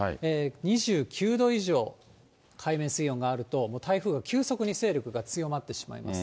２９度以上、海面水温があると、もう台風が急速に勢力が強まってしまいます。